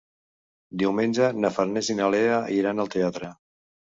Diumenge na Farners i na Lea iran al teatre.